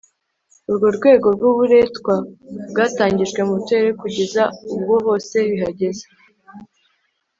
Urwo rwego rw’uburetwa bwatangijwe mu turere kugeza ubwo hose bihageze